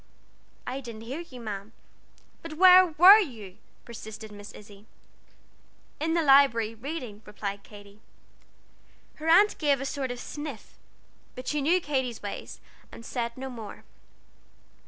"I didn't hear you, ma'am." "But where were you?" persisted Miss Izzie. "In the Library, reading," replied Katy. Her aunt gave a sort of sniff, but she knew Katy's ways, and said no more.